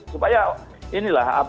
supaya ini lah